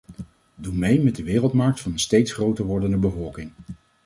Doe mee met de wereldmarkt van een steeds groter wordende bevolking.